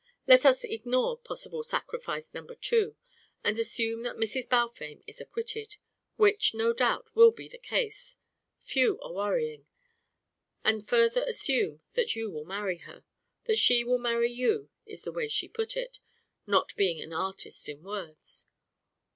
Let us ignore Possible Sacrifice Number Two, and assume that Mrs. Balfame is acquitted, which no doubt will be the case; few are worrying; and further assume that you will marry her; that she will marry you is the way she put it, not being an artist in words.